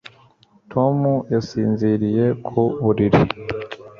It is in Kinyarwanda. Tom yasinziriye ku buriri